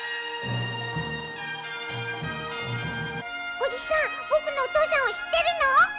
おじさん、僕のお父さんを知ってるの？